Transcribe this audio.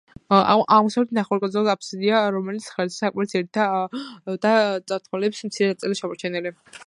აღმოსავლეთით ნახევარწრიული აბსიდია, რომლის ღერძზე სარკმლის ძირი და წირთხლების მცირე ნაწილებია შემორჩენილი.